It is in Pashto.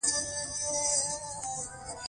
ګلونه په باغ کې غوړېدلي دي.